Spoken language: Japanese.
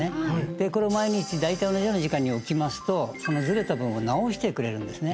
でこれを毎日大体同じような時間に起きますとそのずれた分を直してくれるんですね